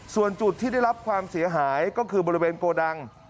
ส่วนจุดที่ได้รับความเสียหายก็คือบริเวณโกดัง